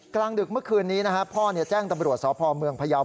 กลางดึกเมื่อคืนนี้นะฮะพ่อแจ้งตำรวจสพเมืองพยาว